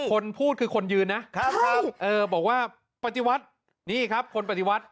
คนพูดคือคนยืนนะครับบอกว่าปฏิวัตินี่ครับคนปฏิวัติ